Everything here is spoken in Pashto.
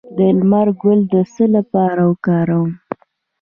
د لمر ګل د څه لپاره وکاروم؟